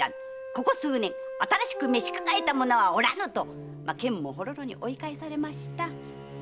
「ここ数年新しく召し抱えた者はおらぬ！」とけんもほろろに追い返されました！